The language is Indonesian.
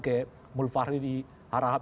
ke mulfahri harahab